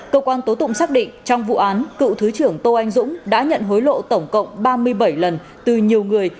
cơ quan tố tụng xác định trong vụ án cựu thứ trưởng tô anh dũng đã nhận hối lộ tổng cộng ba mươi bảy lần từ nhiều người